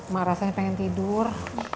mak rasanya pengen tidur